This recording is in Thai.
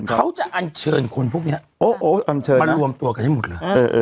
เขาจะอันเชิญคนพวกนี้มารวมตัวกันให้หมดเลย